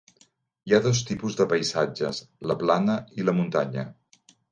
Hi ha dos tipus de paisatges: la plana i la muntanya.